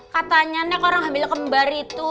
katanya nek orang ambil kembar itu